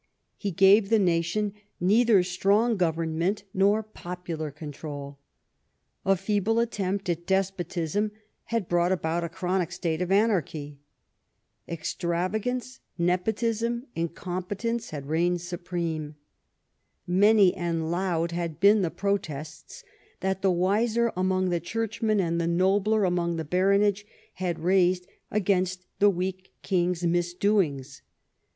He gave the nation neither strong government nor popular control. A feeble attempt at despotism had brought about a chronic state of anarchy. Extravagance, nepotism, incompetence had reigned supreme. Many and loud had been the protests that the wiser among the churchmen and the nobler among the baronage had raised against the weak king's misdoings.